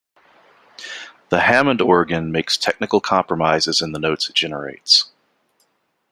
The Hammond organ makes technical compromises in the notes it generates.